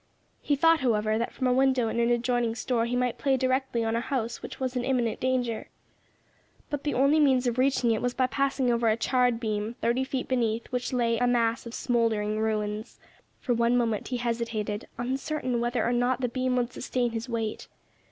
He thought, however, that from a window in an adjoining store he might play directly on a house which was in imminent danger. But the only means of reaching it was by passing over a charred beam, thirty feet beneath which lay a mass of smouldering ruins. For one moment he hesitated, uncertain whether or not the beam would sustain his weight.